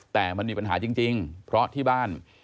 แต่มันมีปัญหาจริงเพราะที่บ้าน